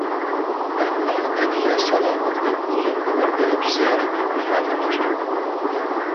مەن ئۇنىڭ تېنىگە سالامەتلىك، ئۇزۇن ئۆمۈر تىلەپ زىيارىتىمنى ئاخىرلاشتۇردۇم.